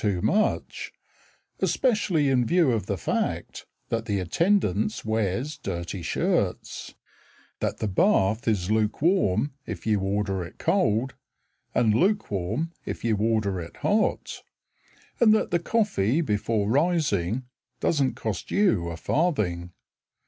too much, Especially in view of the fact That the attendance wears dirty shirts, That the bath Is lukewarm if you order it cold And lukewarm if you order it hot; And that the coffee before rising Doesn't cost you a farthing.